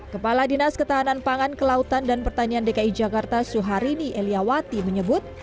kepala dinas ketahanan pangan kelautan dan pertanian dki jakarta suharini eliawati menyebut